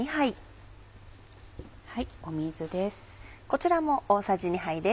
水です。